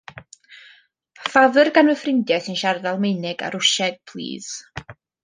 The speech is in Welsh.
Ffafr gan fy ffrindiau sy'n siarad Almaeneg a Rwsieg plîs.